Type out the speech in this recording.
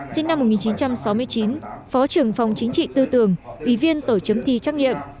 sinh năm một nghìn chín trăm sáu mươi chín phó trưởng phòng chính trị tư tưởng ủy viên tổ chấm thi trắc nghiệm